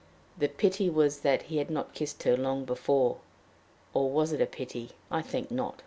The pity was that he had not kissed her long before. Or was it a pity? I think not.